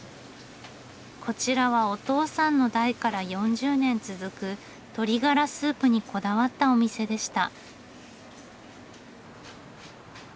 こちらはお父さんの代から４０年続く鶏ガラスープにこだわったお店でした。